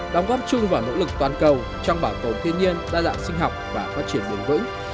đóng góp chung vào nỗ lực toàn cầu trong bảo tồn thiên nhiên đa dạng sinh học và phát triển bền vững